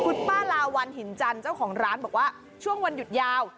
คุณป้าลาวันหินจันทร์เจ้าของร้านบอกว่าช่วงวันหยุดยาว